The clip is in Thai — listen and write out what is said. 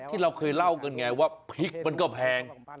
ที่เราเคยเล่ากันไงว่าพริกมันก็แพง